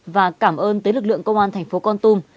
và cảm ơn tới lực lượng công an thành phố con tum